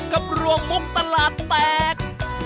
กับรวงมุกตลาดแตก